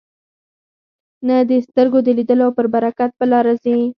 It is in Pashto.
نه د سترګو د لیدلو او پر برکت په لاره ځي.